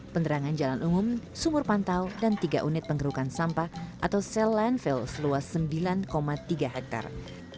penerangan jalan umum sumur pantau dan tiga unit penggerukan sampah atau sel landfill seluas sembilan tiga hektare